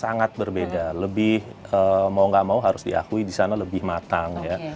sangat berbeda lebih mau gak mau harus diakui di sana lebih matang ya